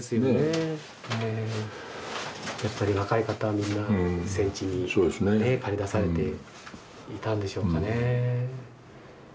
やっぱり若い方はみんな戦地に駆り出されていたんでしょうかね。